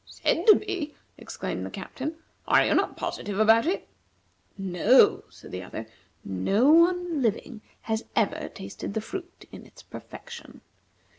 "Said to be!" exclaimed the Captain; "are you not positive about it?" "No," said the other; "no one living has ever tasted the fruit in its perfection.